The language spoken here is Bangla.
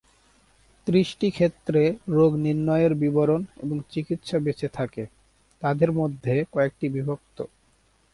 ত্রিশটি ক্ষেত্রে রোগ নির্ণয়ের বিবরণ এবং চিকিৎসা বেঁচে থাকে, তাদের মধ্যে কয়েকটি বিভক্ত।